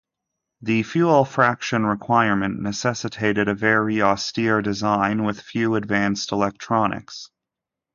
The fuel fraction requirement necessitated a very austere design with few advanced electronics.